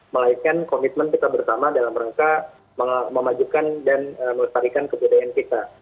melainkan komitmen kita bersama dalam rangka memajukan dan melestarikan kebudayaan kita